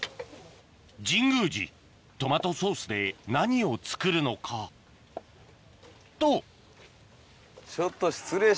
神宮寺トマトソースで何を作るのか？と！